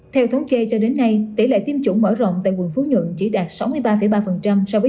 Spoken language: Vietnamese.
theo thống kê cho đến nay tỷ lệ tiêm chủng mở rộng tại quận phú nhuận chỉ đạt sáu mươi ba ba so với